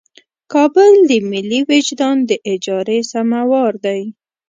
کابل د ملي وجدان د اجارې سموار دی.